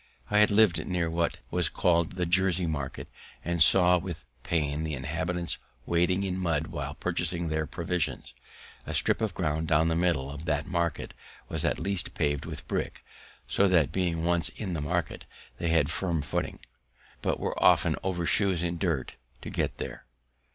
I had liv'd near what was call'd the Jersey Market, and saw with pain the inhabitants wading in mud while purchasing their provisions. A strip of ground down the middle of that market was at length pav'd with brick, so that, being once in the market, they had firm footing, but were often over shoes in dirt to get there.